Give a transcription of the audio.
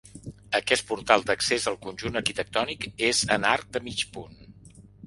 Aquest portal d'accés al conjunt arquitectònic és en arc de mig punt.